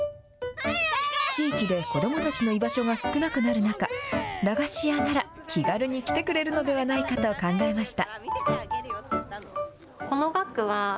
地域で子どもたちの居場所が少なくなる中、駄菓子屋なら、気軽に来てくれるのではないかと考えました。